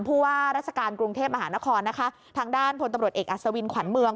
เพราะว่ารัฐกาลกรุงเทพมหานครทางด้านพตเอกอัศวินขวัญเมือง